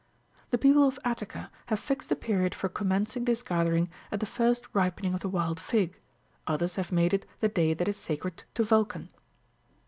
The people of Attica have fixed the period for com mencing this gathering at the first ripening of the wild fig ; others39 have made it the day that is sacred to Yulcan.